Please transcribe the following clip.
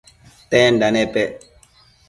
tenda napec?